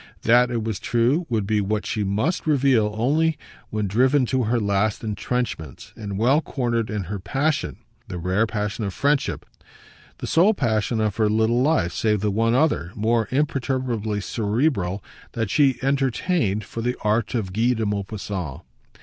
That, it was true, would be what she must reveal only when driven to her last entrenchments and well cornered in her passion the rare passion of friendship, the sole passion of her little life save the one other, more imperturbably cerebral, that she entertained for the art of Guy de Maupassant.